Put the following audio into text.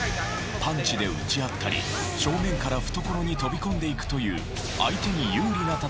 パンチで打ち合ったり正面から懐に飛び込んでいくという。